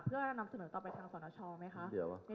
เพื่อแนะนำส่งหนึ่งต่อไปทางสนชองไหมคะเดี๋ยวท่าน